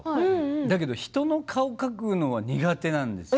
だけど人の顔を描くのは苦手なんですよ。